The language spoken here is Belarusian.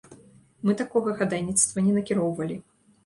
Мы такога хадайніцтва не накіроўвалі.